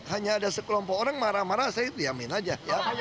hanya ada sekelompok orang marah marah saya diamin aja